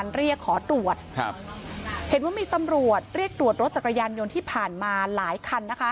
เรียกขอตรวจครับเห็นว่ามีตำรวจเรียกตรวจรถจักรยานยนต์ที่ผ่านมาหลายคันนะคะ